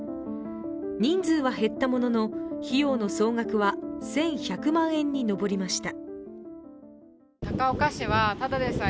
人数は減ったものの費用の総額は１１００万円に上りました。